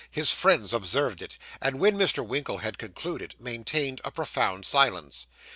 His friends observed it, and, when Mr. Winkle had concluded, maintained a profound silence.